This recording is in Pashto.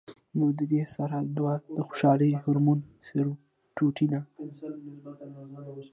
نو د دې سره دوه د خوشالۍ هارمون سېراټونین